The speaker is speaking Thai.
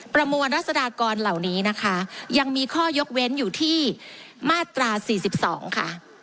ประมวลรัศดากรเหล่านี้นะคะยังมีข้อยกเว้นอยู่ที่มาตรา๔๒ค่ะ